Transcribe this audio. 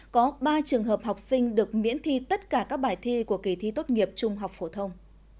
có ba trường hợp học sinh được miễn thi tất cả các bài thi của kỳ thi tốt nghiệp trung học phổ thông